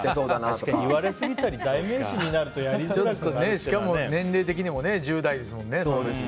確かに言われすぎたり代名詞になるとしかも年齢的にも１０代ですもんね。